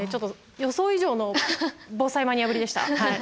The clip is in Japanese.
予想以上の防災マニアぶりでした。